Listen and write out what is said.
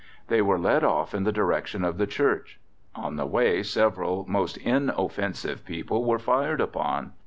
They were led off in the direction of the church. On the way several most inoffensive people were fired upon.